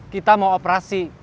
kita mau operasi